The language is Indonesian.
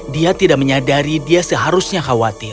dia tidak menyadari dia seharusnya khawatir